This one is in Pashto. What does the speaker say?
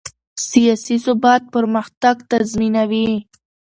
سیاسي ثبات پرمختګ تضمینوي